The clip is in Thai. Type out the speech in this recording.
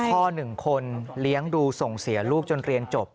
พ่อหนึ่งคนเลี้ยงดูส่งเสียลูกจนเรียนจบ